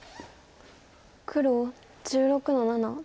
黒１６の七。